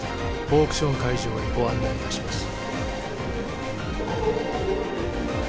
オークション会場へご案内いたします